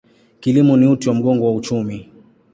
Kilimo ni uti wa mgongo wa uchumi.